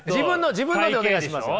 自分のでお願いします。